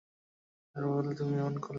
তার বদলে তুমি এই করলে?